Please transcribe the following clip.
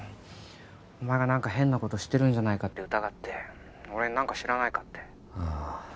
お前が何か変なことしてるんじゃないかって疑って☎俺に何か知らないかってああ